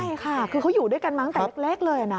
ใช่ค่ะคือเขาอยู่ด้วยกันมาตั้งแต่เล็กเลยนะ